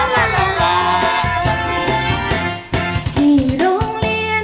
ที่โรงเรียน